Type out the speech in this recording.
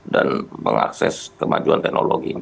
dan mengakses kemajuan teknologi